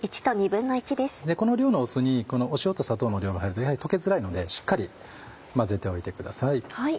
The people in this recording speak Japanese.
この量の酢にこの塩と砂糖の量が入るとやはり溶けづらいのでしっかり混ぜておいてください。